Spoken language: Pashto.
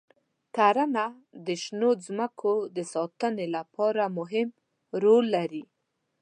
کرنه د شنو ځمکو د ساتنې لپاره مهم رول لري.